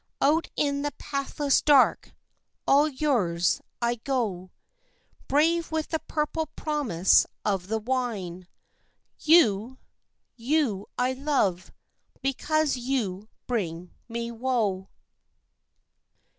Out in the pathless dark, all yours, I go, Brave with the purple promise of the wine. You, you I love, because you bring me woe.